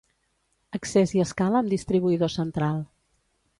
Accés i escala amb distribuïdor central.